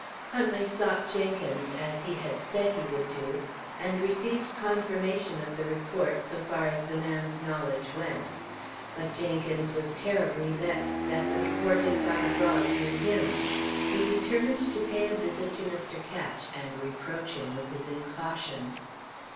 Huntley sought Jenkins, as he had said he would do, and received confirmation of the report, so far as the man's knowledge went. But Jenkins was terribly vexed that the report had got abroad through him. He determined to pay a visit to Mr. Ketch, and reproach him with his incaution.